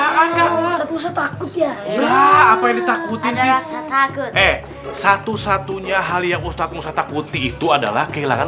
takut ya takut satu satunya hal yang ustadz musa takuti itu adalah kehilangan